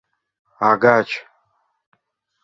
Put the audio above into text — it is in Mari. — Агач!..